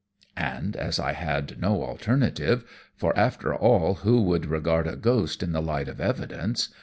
"And as I had no alternative for, after all, who would regard a ghost in the light of evidence?